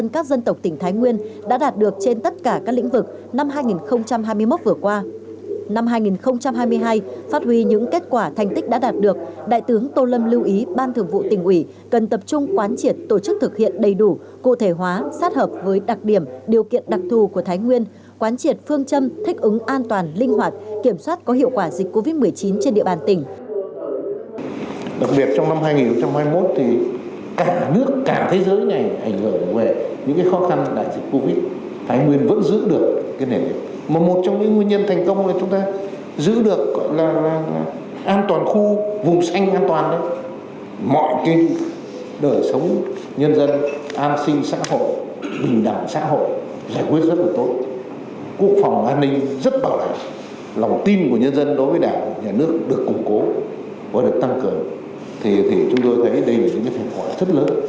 cần tập trung quán triệt tổ chức thực hiện đầy đủ cụ thể hóa sát hợp với đặc điểm điều kiện đặc thù của thái nguyên quán triệt phương châm thích ứng an toàn linh hoạt kiểm soát có hiệu quả dịch covid một mươi chín trên địa bàn tỉnh